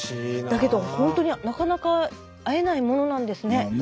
だけどほんとになかなか会えないものなんですね。